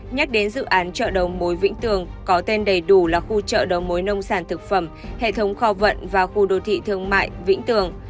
nhắc đến dự án chợ đầu mối vĩnh tường có tên đầy đủ là khu chợ đầu mối nông sản thực phẩm hệ thống kho vận và khu đô thị thương mại vĩnh tường